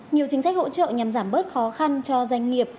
nhiều chính sách hỗ trợ nhằm giảm bớt khó khăn cho doanh nghiệp